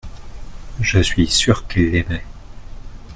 Je suis sûr qu’il aimait.